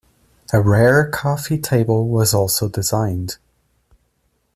A rare coffee table was also designed.